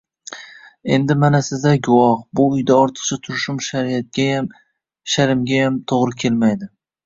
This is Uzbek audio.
Endi, mana, sizlar guvoh, bu uyda ortiqcha turishim shariatgayam, sharmgayam tuvri kelmaydi